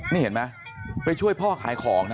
นี่เห็นไหมไปช่วยพ่อขายของนะ